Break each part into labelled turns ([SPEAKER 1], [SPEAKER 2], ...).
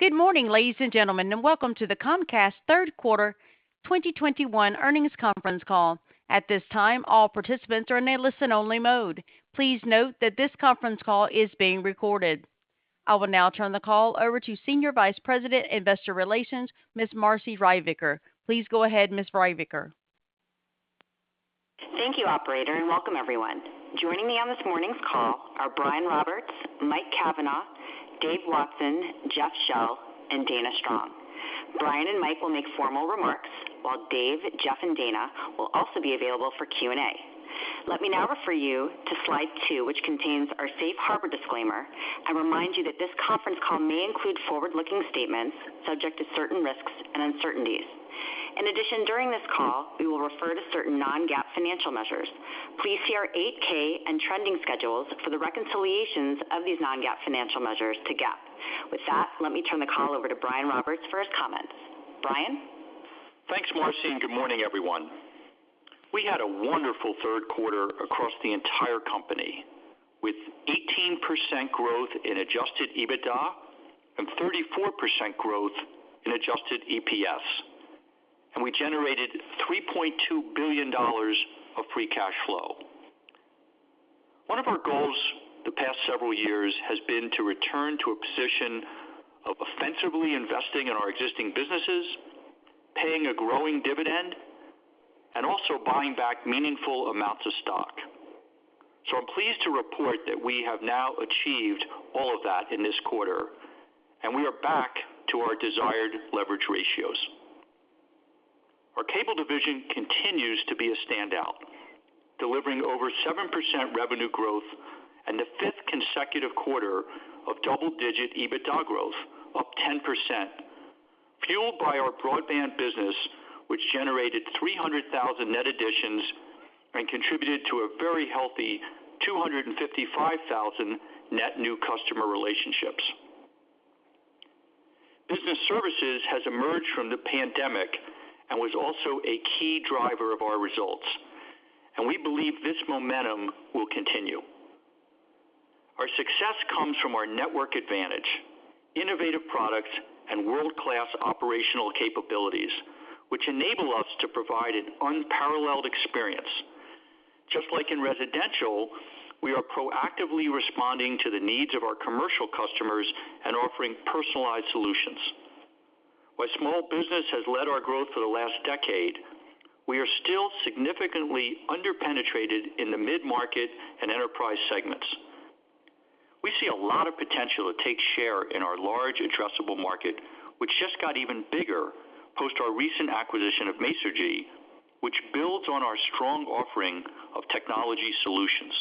[SPEAKER 1] Good morning, ladies and gentlemen, and welcome to the Comcast third quarter 2021 earnings conference call. At this time, all participants are in a listen-only mode. Please note that this conference call is being recorded. I will now turn the call over to Senior Vice President, Investor Relations, Ms. Marci Ryvicker. Please go ahead, Ms. Ryvicker.
[SPEAKER 2] Thank you, operator, and welcome everyone. Joining me on this morning's call are Brian Roberts, Mike Cavanagh, Dave Watson, Jeff Shell, and Dana Strong. Brian and Mike will make formal remarks, while Dave, Jeff, and Dana will also be available for Q&A. Let me now refer you to slide two, which contains our safe harbor disclaimer and remind you that this conference call may include forward-looking statements subject to certain risks and uncertainties. In addition, during this call, we will refer to certain non-GAAP financial measures. Please see our 8-K and trending schedules for the reconciliations of these non-GAAP financial measures to GAAP. With that, let me turn the call over to Brian Roberts for his comments. Brian?
[SPEAKER 3] Thanks, Marci, and good morning, everyone. We had a wonderful third quarter across the entire company, with 18% growth in Adjusted EBITDA and 34% growth in adjusted EPS, and we generated $3.2 billion of free cash flow. One of our goals the past several years has been to return to a position of offensively investing in our existing businesses, paying a growing dividend, and also buying back meaningful amounts of stock. I'm pleased to report that we have now achieved all of that in this quarter, and we are back to our desired leverage ratios. Our cable division continues to be a standout, delivering over 7% revenue growth and the fifth consecutive quarter of double-digit EBITDA growth, up 10%, fueled by our broadband business, which generated 300,000 net additions and contributed to a very healthy 255,000 net new customer relationships. Business Services has emerged from the pandemic and was also a key driver of our results, and we believe this momentum will continue. Our success comes from our network advantage, innovative products, and world-class operational capabilities, which enable us to provide an unparalleled experience. Just like in residential, we are proactively responding to the needs of our commercial customers and offering personalized solutions. While small business has led our growth for the last decade, we are still significantly under-penetrated in the mid-market and enterprise segments. We see a lot of potential to take share in our large addressable market, which just got even bigger post our recent acquisition of Masergy, which builds on our strong offering of technology solutions.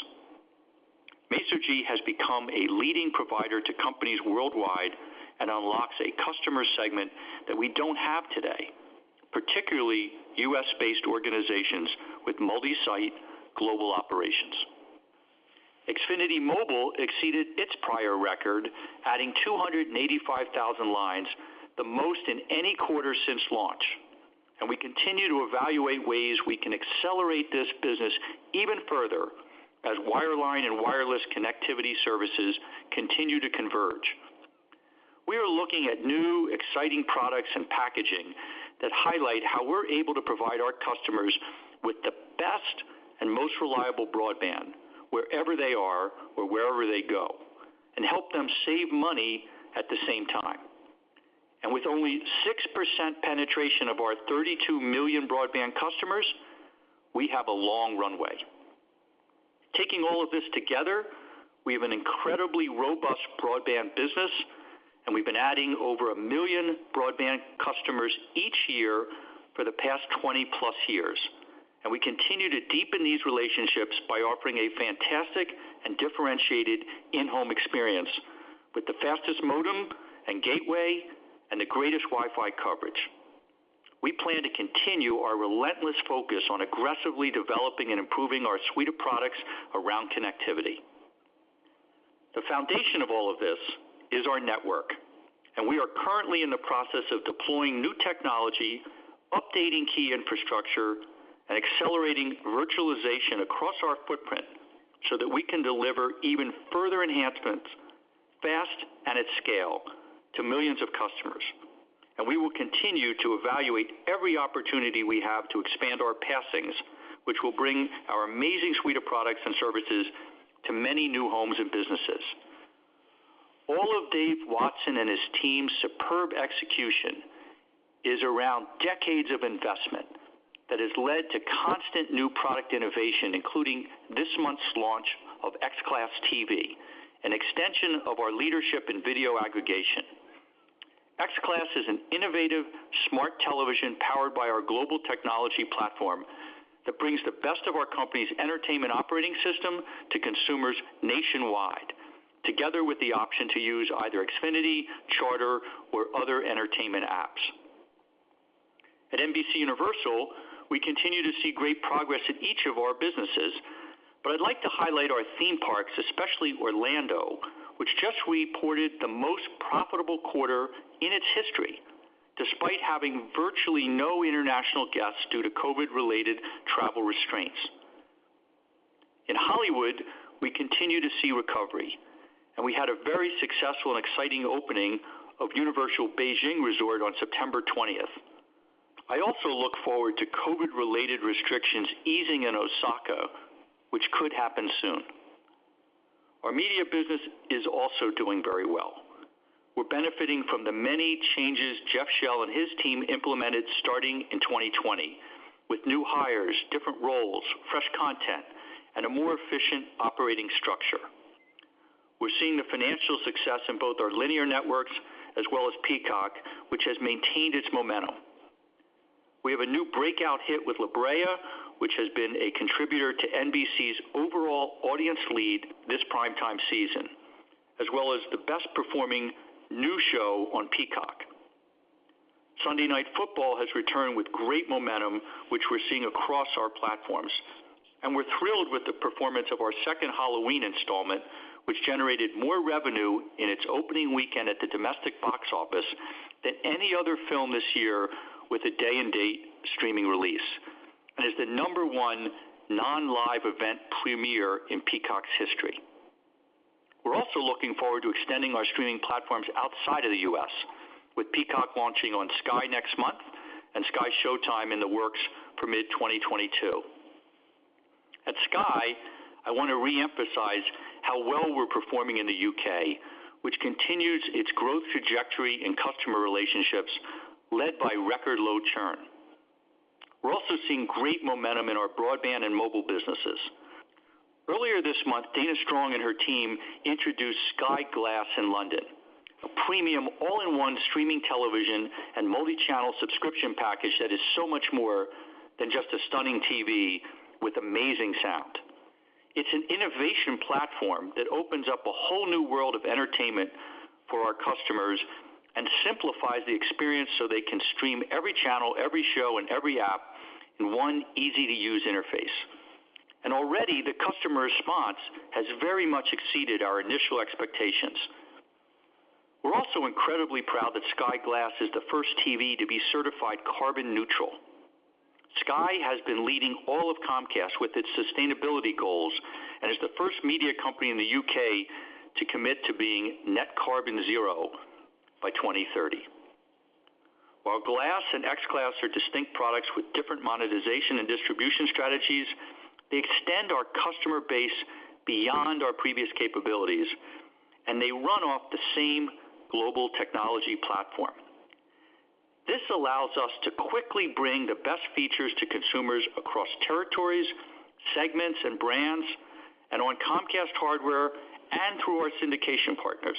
[SPEAKER 3] Masergy has become a leading provider to companies worldwide and unlocks a customer segment that we don't have today, particularly U.S.-based organizations with multi-site global operations. Xfinity Mobile exceeded its prior record, adding 285,000 lines, the most in any quarter since launch. We continue to evaluate ways we can accelerate this business even further as wireline and wireless connectivity services continue to converge. We are looking at new exciting products and packaging that highlight how we're able to provide our customers with the best and most reliable broadband wherever they are or wherever they go and help them save money at the same time. With only 6% penetration of our 32 million broadband customers, we have a long runway. Taking all of this together, we have an incredibly robust broadband business, and we've been adding over 1 million broadband customers each year for the past 20+ years. We continue to deepen these relationships by offering a fantastic and differentiated in-home experience with the fastest modem and gateway and the greatest Wi-Fi coverage. We plan to continue our relentless focus on aggressively developing and improving our suite of products around connectivity. The foundation of all of this is our network, and we are currently in the process of deploying new technology, updating key infrastructure, and accelerating virtualization across our footprint so that we can deliver even further enhancements fast and at scale to millions of customers. We will continue to evaluate every opportunity we have to expand our passings, which will bring our amazing suite of products and services to many new homes and businesses. All of Dave Watson and his team's superb execution is around decades of investment that has led to constant new product innovation, including this month's launch of XClass TV, an extension of our leadership in video aggregation. XClass is an innovative smart television powered by our global technology platform that brings the best of our company's entertainment operating system to consumers nationwide, together with the option to use either Xfinity, Charter, or other entertainment apps. At NBCUniversal, we continue to see great progress in each of our businesses, but I'd like to highlight our theme parks, especially Orlando, which just reported the most profitable quarter in its history, despite having virtually no international guests due to COVID-related travel restraints. In Hollywood, we continue to see recovery, and we had a very successful and exciting opening of Universal Beijing Resort on September 20th. I also look forward to COVID-related restrictions easing in Osaka, which could happen soon. Our media business is also doing very well. We're benefiting from the many changes Jeff Shell and his team implemented starting in 2020, with new hires, different roles, fresh content, and a more efficient operating structure. We're seeing the financial success in both our linear networks as well as Peacock, which has maintained its momentum. We have a new breakout hit with La Brea, which has been a contributor to NBC's overall audience lead this primetime season, as well as the best-performing new show on Peacock. Sunday Night Football has returned with great momentum, which we're seeing across our platforms, and we're thrilled with the performance of our second Halloween installment, which generated more revenue in its opening weekend at the domestic box office than any other film this year with a day-and-date streaming release, and is the number one non-live event premiere in Peacock's history. We're also looking forward to extending our streaming platforms outside of the U.S., with Peacock launching on Sky next month and SkyShowtime in the works for mid-2022. At Sky, I want to re-emphasize how well we're performing in the U.K., which continues its growth trajectory in customer relationships led by record low churn. We're also seeing great momentum in our broadband and mobile businesses. Earlier this month, Dana Strong and her team introduced Sky Glass in London, a premium all-in-one streaming television and multi-channel subscription package that is so much more than just a stunning TV with amazing sound. It's an innovation platform that opens up a whole new world of entertainment for our customers and simplifies the experience so they can stream every channel, every show, and every app in one easy-to-use interface. Already, the customer response has very much exceeded our initial expectations. We're also incredibly proud that Sky Glass is the first TV to be certified carbon neutral. Sky has been leading all of Comcast with its sustainability goals and is the first media company in the U.K. to commit to being net carbon zero by 2030. While Sky Glass and XClass are distinct products with different monetization and distribution strategies, they extend our customer base beyond our previous capabilities, and they run off the same global technology platform. This allows us to quickly bring the best features to consumers across territories, segments, and brands, and on Comcast hardware and through our syndication partners.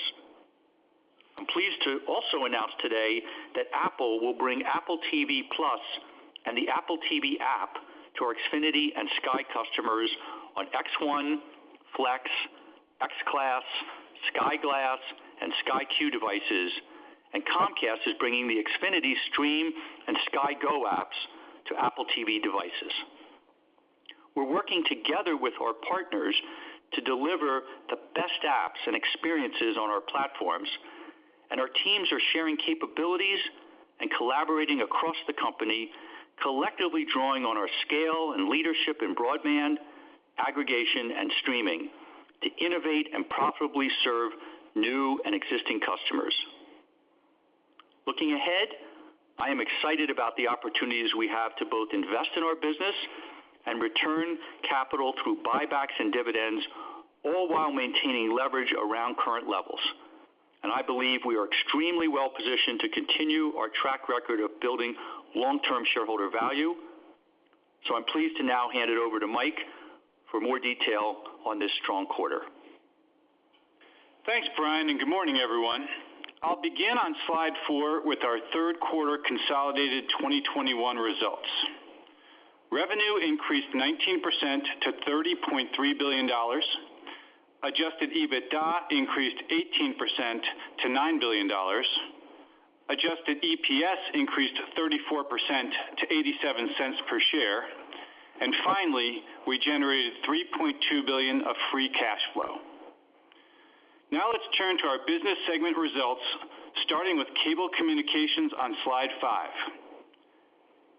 [SPEAKER 3] I'm pleased to also announce today that Apple will bring Apple TV+ and the Apple TV app to our Xfinity and Sky customers on X1, Flex, XClass, Sky Glass, and Sky Q devices. Comcast is bringing the Xfinity Stream and Sky Go apps to Apple TV devices. We're working together with our partners to deliver the best apps and experiences on our platforms, and our teams are sharing capabilities and collaborating across the company, collectively drawing on our scale and leadership in broadband, aggregation, and streaming to innovate and profitably serve new and existing customers. Looking ahead, I am excited about the opportunities we have to both invest in our business and return capital through buybacks and dividends, all while maintaining leverage around current levels. I believe we are extremely well-positioned to continue our track record of building long-term shareholder value. I'm pleased to now hand it over to Mike for more detail on this strong quarter.
[SPEAKER 4] Thanks, Brian, and good morning, everyone. I'll begin on slide four with our third quarter consolidated 2021 results. Revenue increased 19% to $30.3 billion. Adjusted EBITDA increased 18% to $9 billion. Adjusted EPS increased 34% to $0.87 per share. Finally, we generated $3.2 billion of free cash flow. Now let's turn to our business segment results, starting with Cable Communications on slide five.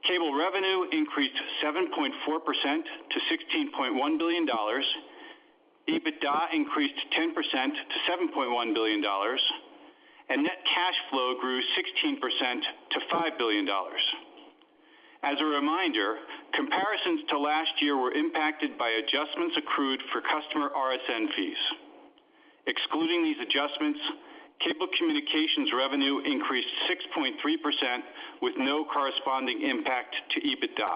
[SPEAKER 4] Cable revenue increased 7.4% to $16.1 billion. EBITDA increased 10% to $7.1 billion, and net cash flow grew 16% to $5 billion. As a reminder, comparisons to last year were impacted by adjustments accrued for customer RSN fees. Excluding these adjustments, Cable Communications revenue increased 6.3% with no corresponding impact to EBITDA.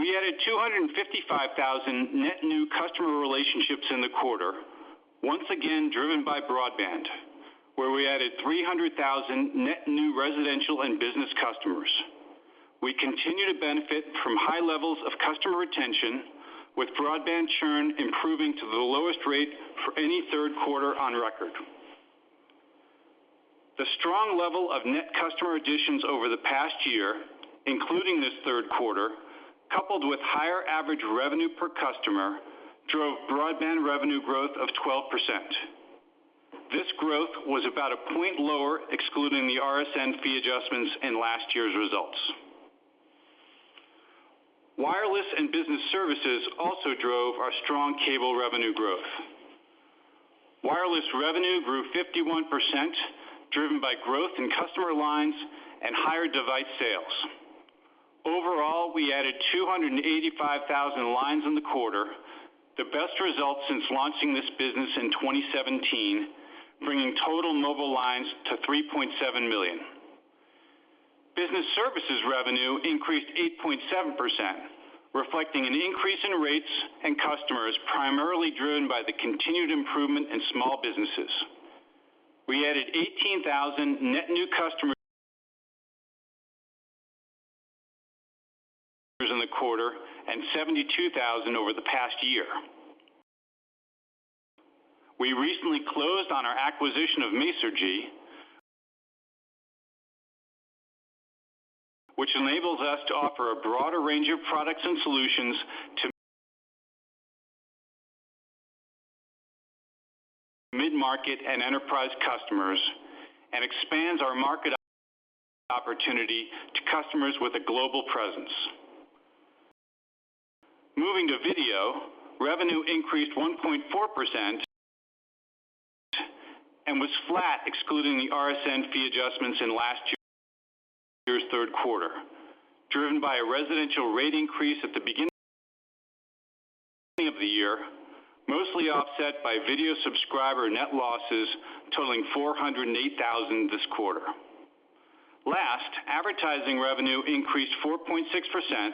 [SPEAKER 4] We added 255,000 net new customer relationships in the quarter, once again driven by broadband, where we added 300,000 net new residential and business customers. We continue to benefit from high levels of customer retention, with broadband churn improving to the lowest rate for any third quarter on record. The strong level of net customer additions over the past year, including this third quarter, coupled with higher average revenue per customer, drove broadband revenue growth of 12%. This growth was about a point lower, excluding the RSN fee adjustments in last year's results. Wireless and business services also drove our strong cable revenue growth. Wireless revenue grew 51%, driven by growth in customer lines and higher device sales. Overall, we added 285,000 lines in the quarter, the best result since launching this business in 2017, bringing total mobile lines to $3.7 million. Business Services revenue increased 8.7%, reflecting an increase in rates and customers primarily driven by the continued improvement in small businesses. We added 18,000 net new customers [inaudible] in the quarter and 72,000 over the past year. We recently closed on our acquisition of Masergy, which enables us to offer a broader range of products and solutions to mid-market and enterprise customers and expands our market opportunity to customers with a global presence. Moving to video, revenue increased 1.4% and was flat excluding the RSN fee adjustments in last year's third quarter, driven by a residential rate increase at the beginning of the year, mostly offset by video subscriber net losses totaling 408,000 this quarter. Last, advertising revenue increased 4.6%,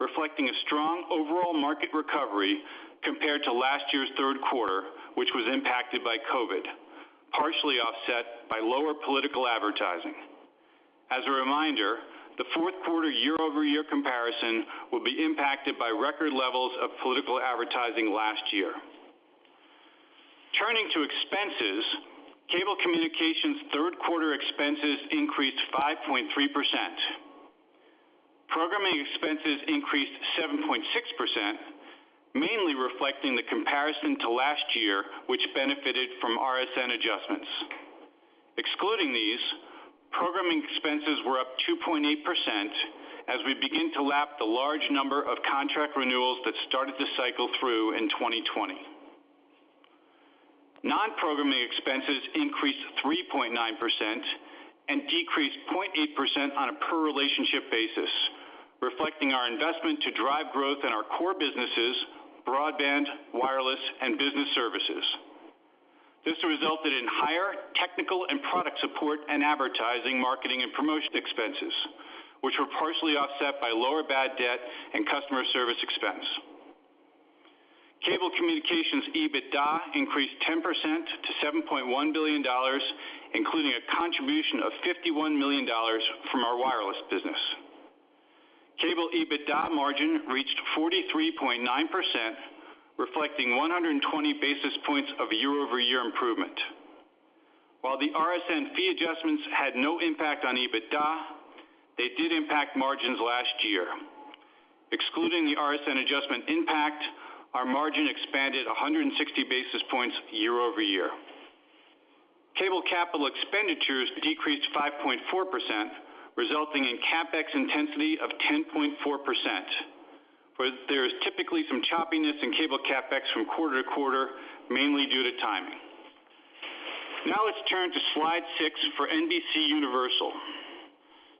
[SPEAKER 4] reflecting a strong overall market recovery compared to last year's third quarter, which was impacted by COVID, partially offset by lower political advertising. As a reminder, the fourth quarter year-over-year comparison will be impacted by record levels of political advertising last year. Turning to expenses, Cable Communications third quarter expenses increased 5.3%. Programming expenses increased 7.6%, mainly reflecting the comparison to last year, which benefited from RSN adjustments. Excluding these, programming expenses were up 2.8% as we begin to lap the large number of contract renewals that started to cycle through in 2020. Non-programming expenses increased 3.9% and decreased 0.8% on a per-relationship basis, reflecting our investment to drive growth in our core businesses, broadband, wireless, and Business Services. This resulted in higher technical and product support and advertising, marketing, and promotion expenses, which were partially offset by lower bad debt and customer service expense. Cable Communications EBITDA increased 10% to $7.1 billion, including a contribution of $51 million from our wireless business. Cable EBITDA margin reached 43.9%, reflecting 120 basis points of year-over-year improvement. While the RSN fee adjustments had no impact on EBITDA, they did impact margins last year. Excluding the RSN adjustment impact, our margin expanded 160 basis points year-over-year. Cable capital expenditures decreased 5.4%, resulting in CapEx intensity of 10.4%. There is typically some choppiness in cable CapEx from quarter to quarter, mainly due to timing. Now let's turn to slide six for NBCUniversal.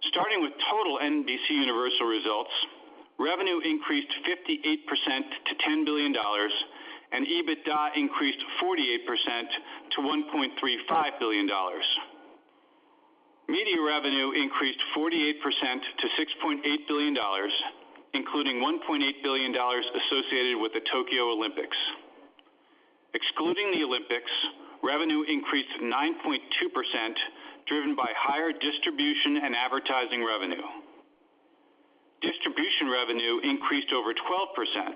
[SPEAKER 4] Starting with total NBCUniversal results, revenue increased 58% to $10 billion and EBITDA increased 48% to $1.35 billion. Media revenue increased 48% to $6.8 billion, including $1.8 billion associated with the Tokyo Olympics. Excluding the Olympics, revenue increased 9.2%, driven by higher distribution and advertising revenue. Distribution revenue increased over 12%,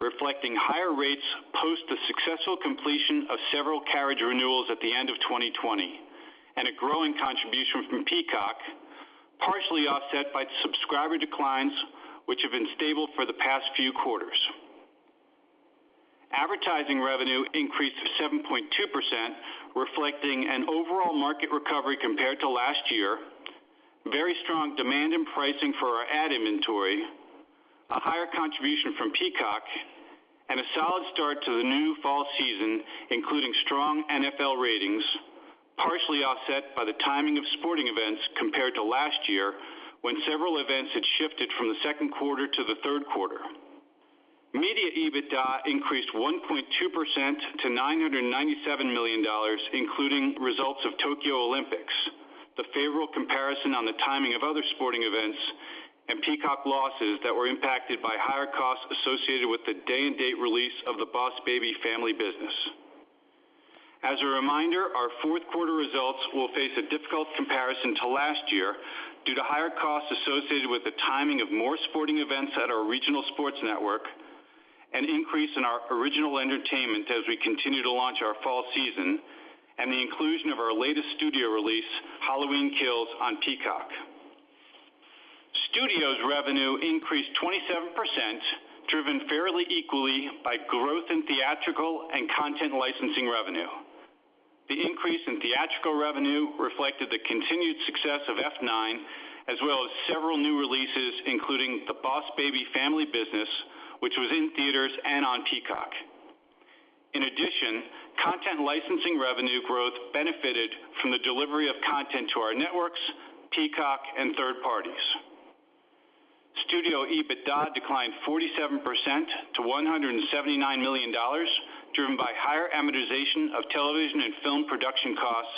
[SPEAKER 4] reflecting higher rates post the successful completion of several carriage renewals at the end of 2020 and a growing contribution from Peacock, partially offset by subscriber declines, which have been stable for the past few quarters. Advertising revenue increased 7.2%, reflecting an overall market recovery compared to last year, very strong demand and pricing for our ad inventory, a higher contribution from Peacock, and a solid start to the new fall season, including strong NFL ratings, partially offset by the timing of sporting events compared to last year when several events had shifted from the second quarter to the third quarter. Media EBITDA increased 1.2% to $997 million, including results of Tokyo Olympics, the favorable comparison on the timing of other sporting events and Peacock losses that were impacted by higher costs associated with the day-and-date release of the Boss Baby Family Business. As a reminder, our fourth quarter results will face a difficult comparison to last year due to higher costs associated with the timing of more sporting events at our regional sports network, an increase in our original entertainment as we continue to launch our fall season, and the inclusion of our latest studio release, Halloween Kills, on Peacock. Studios revenue increased 27%, driven fairly equally by growth in theatrical and content licensing revenue. The increase in theatrical revenue reflected the continued success of F9, as well as several new releases, including The Boss Baby Family Business, which was in theaters and on Peacock. In addition, content licensing revenue growth benefited from the delivery of content to our networks, Peacock, and third parties. Studio EBITDA declined 47% to $179 million, driven by higher amortization of television and film production costs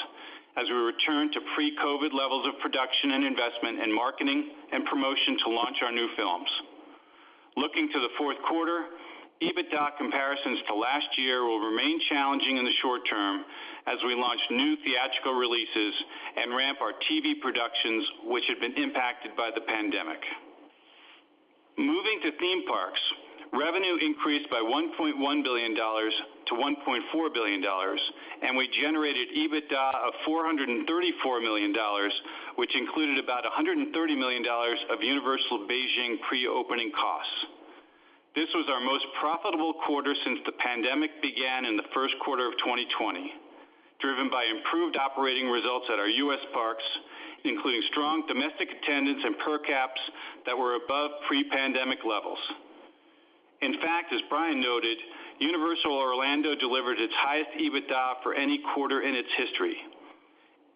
[SPEAKER 4] as we return to pre-COVID levels of production and investment in marketing and promotion to launch our new films. Looking to the fourth quarter, EBITDA comparisons to last year will remain challenging in the short term as we launch new theatrical releases and ramp our TV productions, which have been impacted by the pandemic. Moving to theme parks, revenue increased by $1.1 billion to $1.4 billion, and we generated EBITDA of $434 million, which included about $130 million of Universal Beijing pre-opening costs. This was our most profitable quarter since the pandemic began in the first quarter of 2020, driven by improved operating results at our U.S. parks, including strong domestic attendance and per caps that were above pre-pandemic levels. In fact, as Brian noted, Universal Orlando delivered its highest EBITDA for any quarter in its history.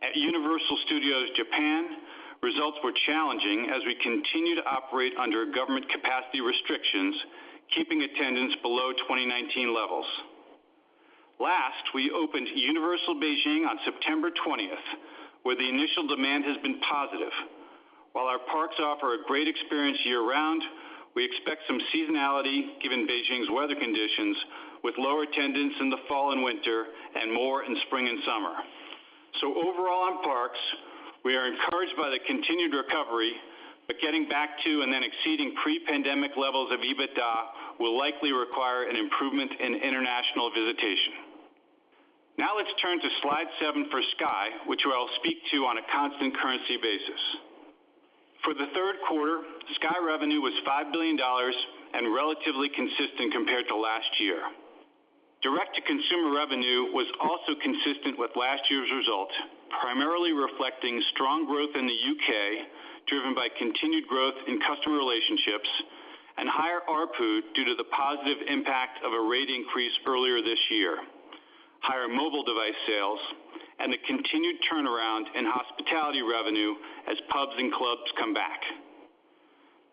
[SPEAKER 4] At Universal Studios Japan, results were challenging as we continue to operate under government capacity restrictions, keeping attendance below 2019 levels. Last, we opened Universal Beijing on September 20th, where the initial demand has been positive. While our parks offer a great experience year-round, we expect some seasonality given Beijing's weather conditions, with lower attendance in the fall and winter and more in spring and summer. Overall in parks, we are encouraged by the continued recovery, but getting back to and then exceeding pre-pandemic levels of EBITDA will likely require an improvement in international visitation. Now let's turn to slide seven for Sky, which I'll speak to on a constant currency basis. For the third quarter, Sky revenue was $5 billion and relatively consistent compared to last year. Direct-to-consumer revenue was also consistent with last year's result, primarily reflecting strong growth in the U.K., driven by continued growth in customer relationships and higher ARPU due to the positive impact of a rate increase earlier this year, higher mobile device sales, and the continued turnaround in hospitality revenue as pubs and clubs come back.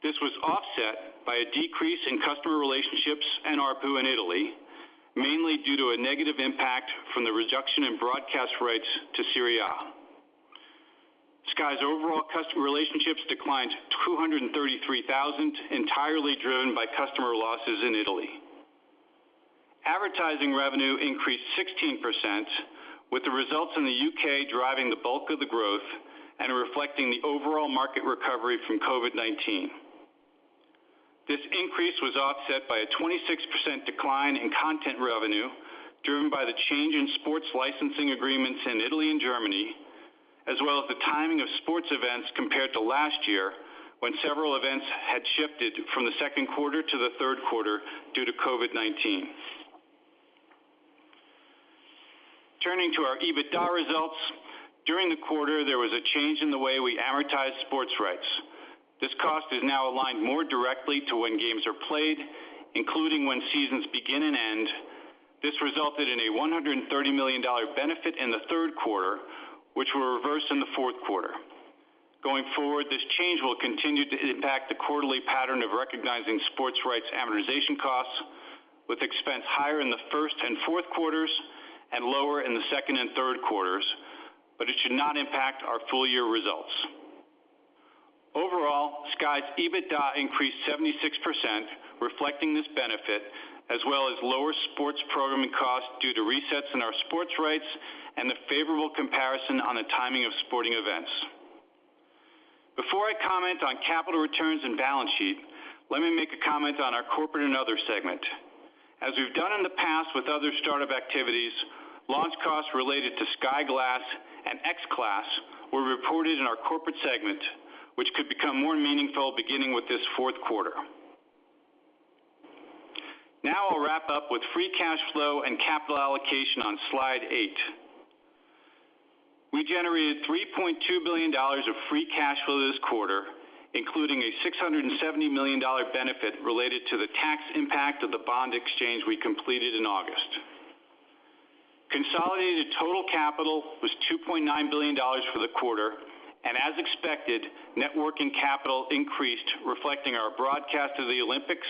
[SPEAKER 4] This was offset by a decrease in customer relationships and ARPU in Italy, mainly due to a negative impact from the reduction in broadcast rights to Serie A. Sky's overall customer relationships declined to 233,000, entirely driven by customer losses in Italy. Advertising revenue increased 16%, with the results in the U.K. driving the bulk of the growth and reflecting the overall market recovery from COVID-19. This increase was offset by a 26% decline in content revenue, driven by the change in sports licensing agreements in Italy and Germany, as well as the timing of sports events compared to last year when several events had shifted from the second quarter to the third quarter due to COVID-19. Turning to our EBITDA results, during the quarter, there was a change in the way we amortize sports rights. This cost is now aligned more directly to when games are played, including when seasons begin and end. This resulted in a $130 million benefit in the third quarter, which were reversed in the fourth quarter. Going forward, this change will continue to impact the quarterly pattern of recognizing sports rights amortization costs with expense higher in the first and fourth quarters and lower in the second and third quarters, but it should not impact our full-year results. Overall, Sky's EBITDA increased 76%, reflecting this benefit, as well as lower sports programming costs due to resets in our sports rates and the favorable comparison on the timing of sporting events. Before I comment on capital returns and balance sheet, let me make a comment on our corporate and other segment. As we've done in the past with other startup activities, launch costs related to Sky Glass and XClass were reported in our corporate segment, which could become more meaningful beginning with this fourth quarter. Now I'll wrap up with free cash flow and capital allocation on slide eight. We generated $3.2 billion of free cash flow this quarter, including a $670 million benefit related to the tax impact of the bond exchange we completed in August. Consolidated total CapEx was $2.9 billion for the quarter. As expected, network CapEx increased, reflecting our broadcast of the Olympics,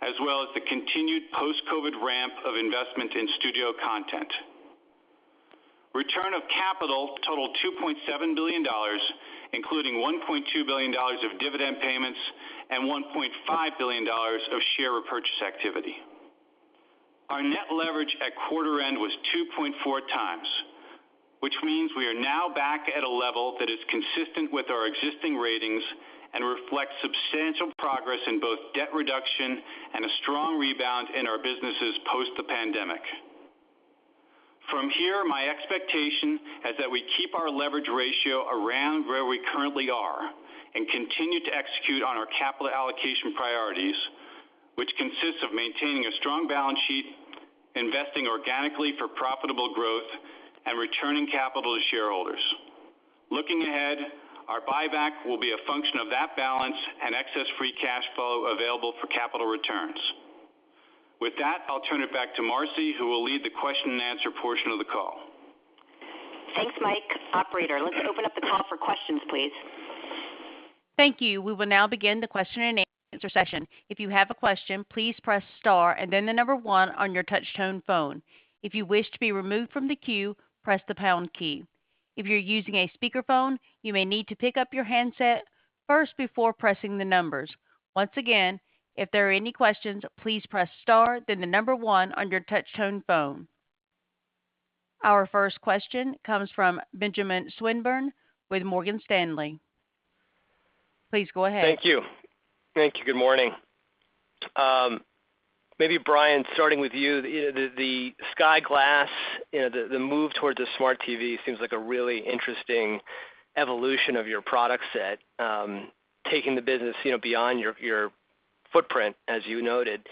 [SPEAKER 4] as well as the continued post-COVID ramp of investment in studio content. Return of capital totaled $2.7 billion, including $1.2 billion of dividend payments and $1.5 billion of share repurchase activity. Our net leverage at quarter end was 2.4x, which means we are now back at a level that is consistent with our existing ratings and reflects substantial progress in both debt reduction and a strong rebound in our businesses post the pandemic. From here, my expectation is that we keep our leverage ratio around where we currently are and continue to execute on our capital allocation priorities, which consists of maintaining a strong balance sheet, investing organically for profitable growth, and returning capital to shareholders. Looking ahead, our buyback will be a function of that balance and excess free cash flow available for capital returns. With that, I'll turn it back to Marci, who will lead the question-and-answer portion of the call.
[SPEAKER 2] Thanks, Mike. Operator, let's open up the call for questions, please.
[SPEAKER 1] Thank you. We will now begin the question-and-answer session. If you have a question, please press star and then the number one on your touch-tone phone. If you wish to be removed from the queue, press the pound key. If you're using a speakerphone, you may need to pick up your handset first before pressing the numbers. Once again, if there are any questions, please press star, then the number one on your touch-tone phone. Our first question comes from Benjamin Swinburne with Morgan Stanley. Please go ahead.
[SPEAKER 5] Thank you. Good morning. Maybe Brian, starting with you, the Sky Glass, you know, the move towards a smart TV seems like a really interesting evolution of your product set, taking the business, you know, beyond your footprint, as you noted,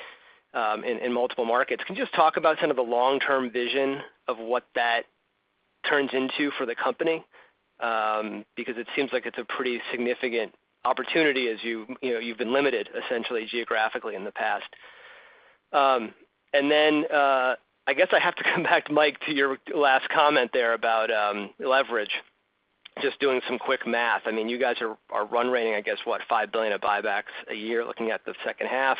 [SPEAKER 5] in multiple markets. Can you just talk about kind of the long-term vision of what that turns into for the company? Because it seems like it's a pretty significant opportunity as you know, you've been limited essentially geographically in the past. I guess I have to come back, Mike, to your last comment there about leverage. Just doing some quick math. I mean, you guys are run rating, I guess, what, $5 billion of buybacks a year looking at the second half.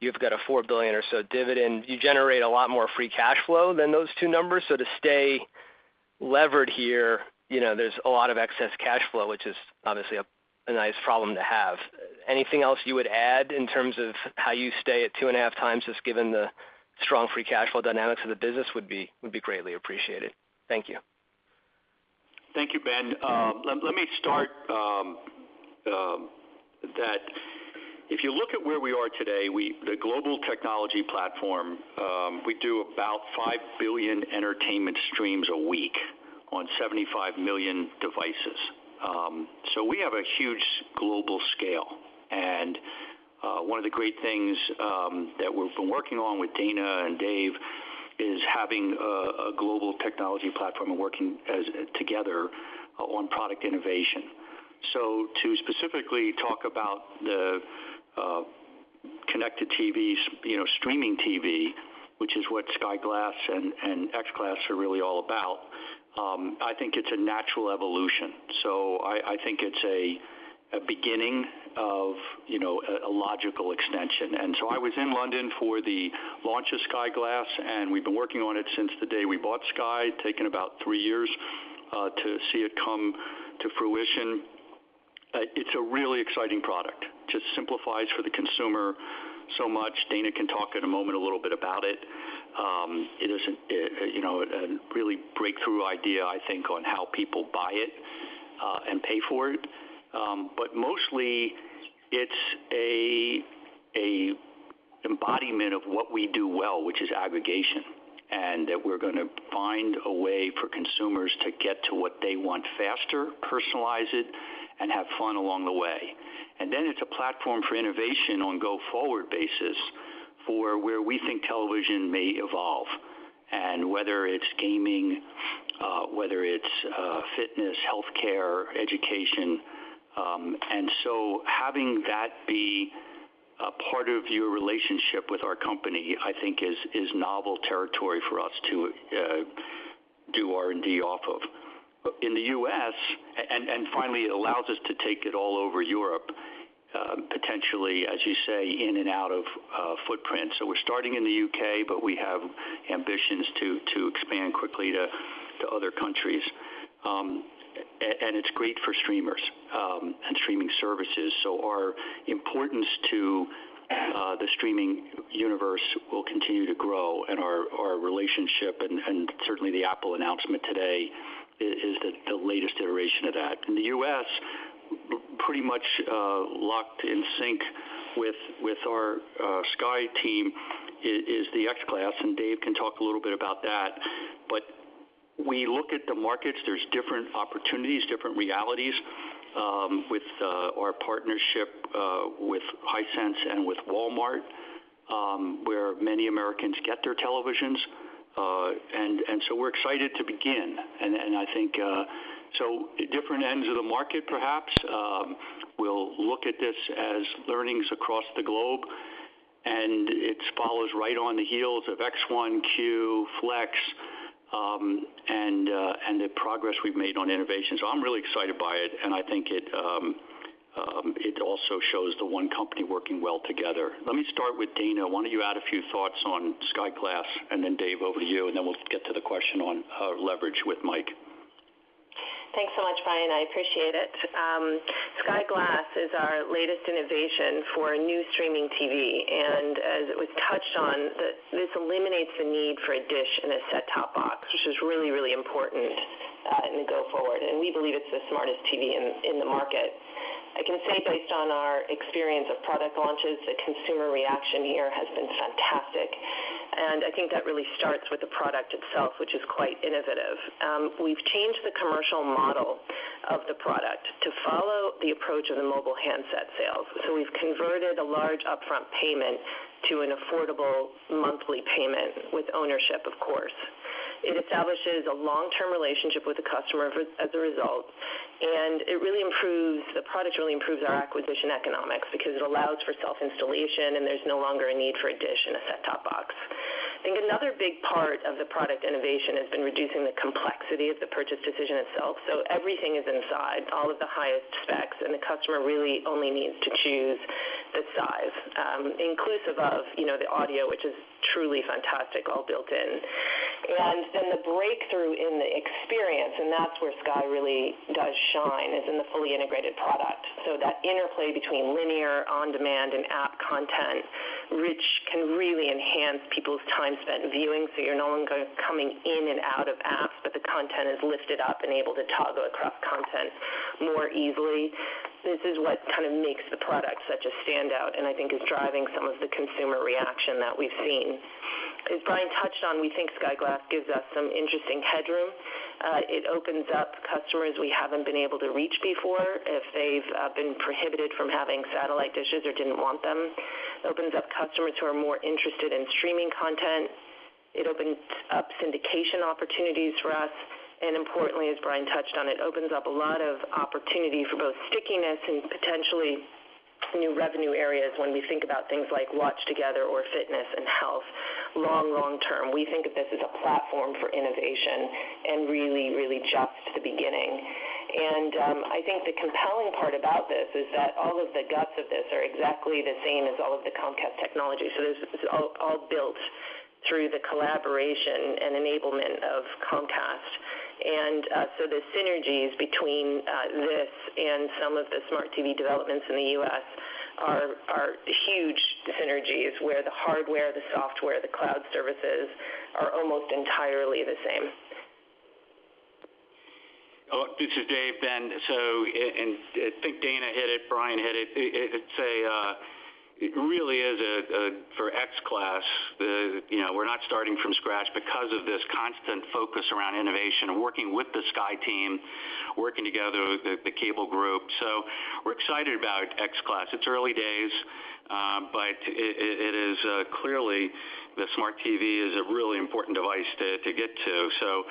[SPEAKER 5] You've got a $4 billion or so dividend. You generate a lot more free cash flow than those two numbers. To stay levered here, you know, there's a lot of excess cash flow, which is obviously a nice problem to have. Anything else you would add in terms of how you stay at 2.5 times, just given the strong free cash flow dynamics of the business would be greatly appreciated. Thank you.
[SPEAKER 3] Thank you, Ben. If you look at where we are today, we the global technology platform we do about 5 billion entertainment streams a week on 75 million devices. We have a huge global scale. One of the great things that we've been working on with Dana and Dave is having a global technology platform and working together on product innovation. To specifically talk about the connected TVs, you know, streaming TV, which is what Sky Glass and XClass are really all about, I think it's a natural evolution. I think it's a beginning of, you know, a logical extension. I was in London for the launch of Sky Glass, and we've been working on it since the day we bought Sky, taken about three years to see it come to fruition. It's a really exciting product. Just simplifies for the consumer so much. Dana can talk in a moment a little bit about it. It is, you know, a really breakthrough idea, I think, on how people buy it and pay for it. But mostly it's a embodiment of what we do well, which is aggregation, and that we're gonna find a way for consumers to get to what they want faster, personalize it, and have fun along the way. Then it's a platform for innovation on go forward basis for where we think television may evolve, and whether it's gaming, whether it's fitness, healthcare, education. Having that be a part of your relationship with our company, I think is novel territory for us to do R&D off of. In the U.S. and finally, it allows us to take it all over Europe, potentially, as you say, in and out of footprint. We're starting in the U.K., but we have ambitions to expand quickly to other countries. It's great for streamers and streaming services. Our importance to the streaming universe will continue to grow and our relationship and certainly the Apple announcement today is the latest iteration of that. In the U.S., pretty much locked in sync with our Sky team is the XClass, and Dave can talk a little bit about that. We look at the markets, there's different opportunities, different realities, with our partnership with Hisense and with Walmart, where many Americans get their televisions. We're excited to begin. I think so different ends of the market, perhaps. We'll look at this as learnings across the globe, and it follows right on the heels of X1, our Flex, and the progress we've made on innovation. I'm really excited by it, and I think it also shows the one company working well together. Let me start with Dana. Why don't you add a few thoughts on Sky Glass, and then Dave, over to you, and then we'll get to the question on leverage with Mike.
[SPEAKER 6] Thanks so much, Brian. I appreciate it. Sky Glass is our latest innovation for new streaming TV. As it was touched on, this eliminates the need for a dish and a set-top box, which is really Important going forward. We believe it's the smartest TV in the market. I can say based on our experience of product launches, the consumer reaction here has been fantastic. I think that really starts with the product itself, which is quite innovative. We've changed the commercial model of the product to follow the approach of the mobile handset sales. We've converted a large upfront payment to an affordable monthly payment with ownership, of course. It establishes a long-term relationship with the customer as a result, and the product really improves our acquisition economics because it allows for self-installation, and there's no longer a need for a dish and a set-top box. I think another big part of the product innovation has been reducing the complexity of the purchase decision itself. Everything is inside, all of the highest specs, and the customer really only needs to choose the size, inclusive of, you know, the audio, which is truly fantastic, all built in. Then the breakthrough in the experience, and that's where Sky really does shine, is in the fully integrated product. That interplay between linear, on-demand, and app content, which can really enhance people's time spent viewing. You're no longer coming in and out of apps, but the content is lifted up and able to toggle across content more easily. This is what kind of makes the product such a standout, and I think is driving some of the consumer reaction that we've seen. As Brian touched on, we think Sky Glass gives us some interesting headroom. It opens up customers we haven't been able to reach before if they've been prohibited from having satellite dishes or didn't want them. It opens up customers who are more interested in streaming content. It opens up syndication opportunities for us. Importantly, as Brian touched on, it opens up a lot of opportunity for both stickiness and potentially new revenue areas when we think about things like Watch Together or fitness and health long term. We think of this as a platform for innovation and really just the beginning. I think the compelling part about this is that all of the guts of this are exactly the same as all of the Comcast technology. This is all built through the collaboration and enablement of Comcast. The synergies between this and some of the smart TV developments in the U.S. are huge synergies where the hardware, the software, the cloud services are almost entirely the same.
[SPEAKER 7] This is Dave. I think Dana hit it, Brian hit it. It really is a for XClass, you know, we're not starting from scratch because of this constant focus around innovation and working with the Sky team, working together with the cable group. We're excited about XClass. It's early days, but it is clearly the smart TV is a really important device to get to.